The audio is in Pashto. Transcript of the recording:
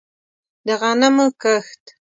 د غنمو کښت